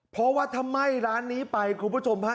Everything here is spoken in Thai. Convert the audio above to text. เพราะว่าถ้าไหม้ร้านนี้ไปคุณผู้ชมฮะ